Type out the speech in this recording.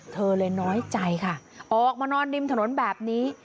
เธอเลยน้อยใจค่ะออกมานอนริมถนนแบบนี้